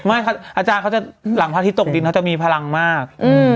อาจารย์เขาจะหลังพระอาทิตย์ตกดินเขาจะมีพลังมาก